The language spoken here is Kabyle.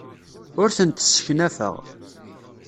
Ur tent-sseknafeɣ.